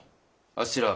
あっしら